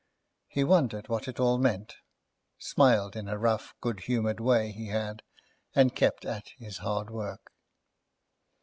He wondered what it all meant, smiled in a rough good humoured way he had, and kept at his hard work.